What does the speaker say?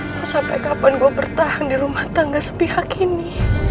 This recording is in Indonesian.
mau sampai kapan gue bertahan di rumah tangga sepihak ini